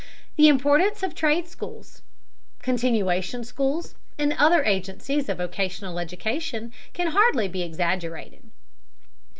The importance of trade schools, continuation schools, and other agencies of vocational education can hardly be exaggerated.